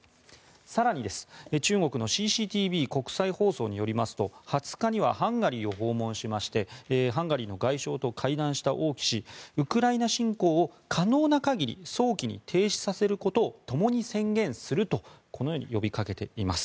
更に中国のＣＣＴＶの国際放送によりますと２０日にはハンガリーを訪問しましてハンガリーの外相と会談した王毅氏は、ウクライナ侵攻を可能な限り早期に停止させることをともに宣言すると呼びかけています。